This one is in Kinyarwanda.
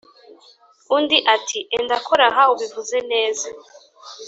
Undi ati: "Enda kora aha ubivuze neza